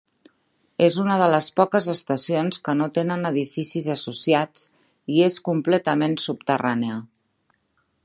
És una de les poques estacions que no tenen edificis associats i és completament subterrània.